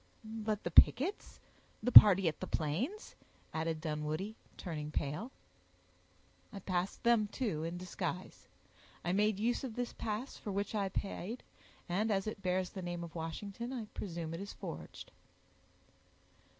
"But the pickets—the party at the Plains?" added Dunwoodie, turning pale. "I passed them, too, in disguise. I made use of this pass, for which I paid; and, as it bears the name of Washington, I presume it is forged."